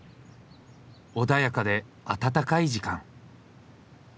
穏やかで温かい時間。